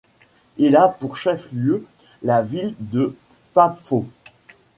Il a pour chef-lieu la ville de Paphos.